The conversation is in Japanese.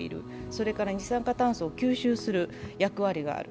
それから二酸化炭素を吸収する役割がある。